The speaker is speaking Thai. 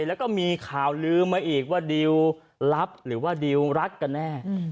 แล้วก็มีข่าวลืมมาอีกว่าดิวรับหรือว่าดิวรักกันแน่